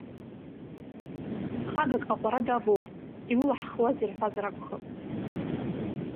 Хагак аҟәара давоуп, илылаҳхузеи рҳәазар акәхап.